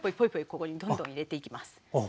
ここにどんどん入れていきます。